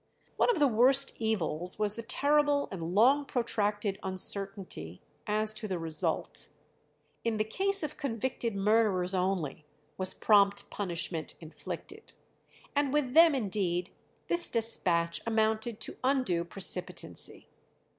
One of the worst evils was the terrible and long protracted uncertainty as to the result. In the case of convicted murderers only was prompt punishment inflicted, and with them indeed this despatch amounted to undue precipitancy.